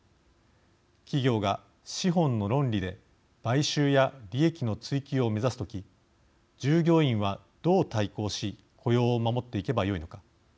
企業が資本の論理で買収や利益の追求を目指す時従業員は、どう対抗し雇用を守っていけばよいのか。